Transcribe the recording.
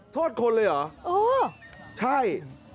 โทษคนเลยเหรอใช่